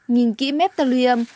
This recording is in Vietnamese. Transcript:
nhìn kỹ mép tờ liêm